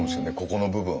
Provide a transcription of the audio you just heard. ここの部分。